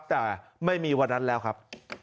แต่ไม่มีวันนั้นแล้วครับ